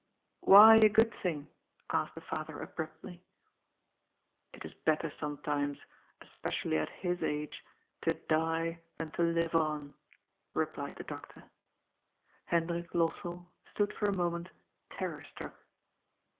" Why a good thing?'* asked the father abruptly. ^'It is better sometimes, especially at his age, to die than to live on," replied the doctor. Hendrik Lossell stood for a moment terror struck.